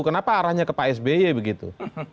kenapa arahnya ke pak sby begitu